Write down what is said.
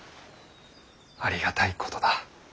ありがたいことだ。